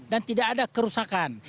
dan tidak ada kerusakan